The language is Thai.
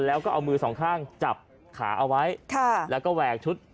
แล้วก็เอามือสองข้างจับขาเอาไว้แล้วก็แวกชุดบริสุทธิ์